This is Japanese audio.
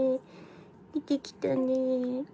出てきたね。